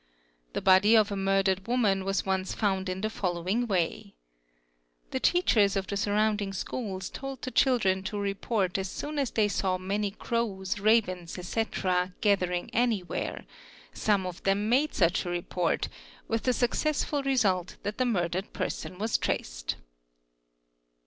The body of a murdered ynan was once found in the following way: the teachers of the sur unding schools told the children to report as soon as they saw many ra {iy a ARE EE oe ws, ravens, etc., gathering anywhere; some of them made such a port, with the successful result that the murdered person was traced.